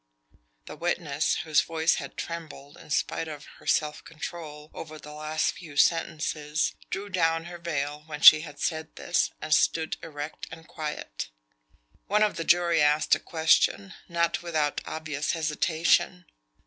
The witness, whose voice had trembled in spite of her self control, over the last few sentences, drew down her veil when she had said this, and stood erect and quiet. One of the jury asked a question, not without obvious hesitation.